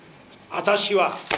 私は！